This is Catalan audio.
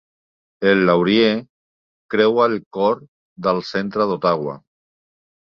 El Laurier creua el cor del centre d'Ottawa.